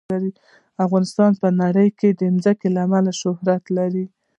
افغانستان په نړۍ کې د ځمکه له امله شهرت لري.